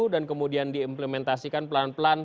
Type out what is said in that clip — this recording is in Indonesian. dan kemudian diimplementasikan pelan pelan